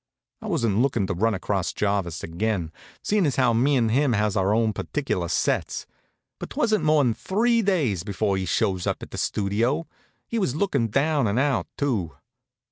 I wasn't lookin' to run across Jarvis again, seein' as how me and him has our own particular sets; but 'twasn't more'n three days before he shows up at the Studio. He was lookin' down an' out, too.